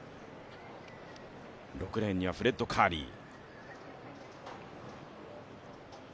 ６レーンにはフレッド・カーリー。